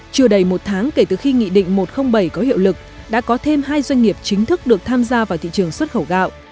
chưa đầy một tháng kể từ khi nghị định một trăm linh bảy có hiệu lực đã có thêm hai doanh nghiệp chính thức được tham gia vào thị trường xuất khẩu gạo